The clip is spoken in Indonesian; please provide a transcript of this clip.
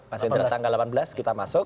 masih dari tanggal delapan belas kita masuk